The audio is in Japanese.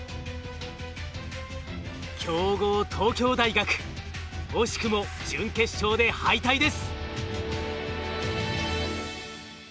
強豪東京大学惜しくも準決勝で敗退です。